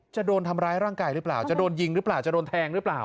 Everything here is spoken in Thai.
จะโดนทำร้ายร่างกายหรือเปล่าจะโดนยิงหรือเปล่าจะโดนแทงหรือเปล่า